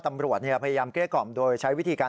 ตำรวจพยายามเกลี้ยกล่อมโดยใช้วิธีการ